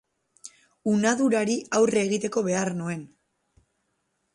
Unadurari aurre egiteko behar nuen.